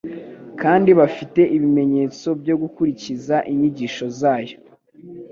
kandi bafite ibimenyetso byo gukurikiza inyigisho zayo,